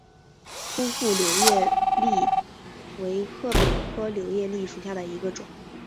匍匐柳叶箬为禾本科柳叶箬属下的一个种。